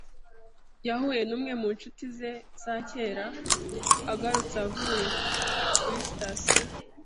Yahuye n'umwe mu nshuti ze za kera agarutse avuye kuri sitasiyo.